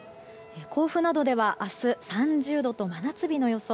甲府などでは明日３０度と真夏日の予想。